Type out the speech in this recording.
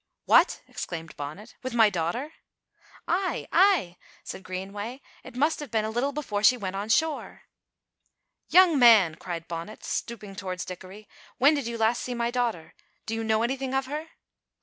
"What!" exclaimed Bonnet, "with my daughter?" "Ay, ay!" said Greenway, "it must have been a little before she went on shore." "Young man!" cried Bonnet, stooping towards Dickory, "when did you last see my daughter? Do you know anything of her?"